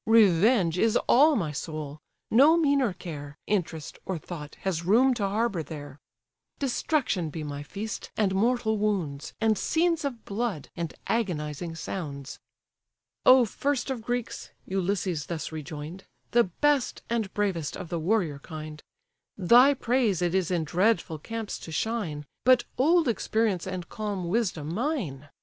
Revenge is all my soul! no meaner care, Interest, or thought, has room to harbour there; Destruction be my feast, and mortal wounds, And scenes of blood, and agonizing sounds." "O first of Greeks, (Ulysses thus rejoin'd,) The best and bravest of the warrior kind! Thy praise it is in dreadful camps to shine, But old experience and calm wisdom mine.